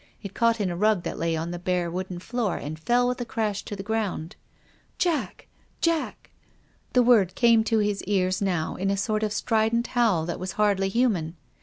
It caught in a rug that lay on the bare wooden floor and fell with a crash to the ground. "Jack! Jack!" The word came to his cars now in a sort of strident howl that w as hardly human.